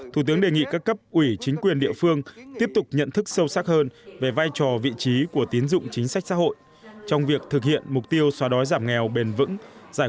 thủ tướng lưu ý cán bộ làm chính sách nhất thiết phải gần dân